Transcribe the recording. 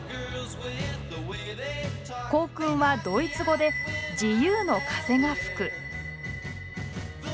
校訓はドイツ語で「自由の風が吹く」。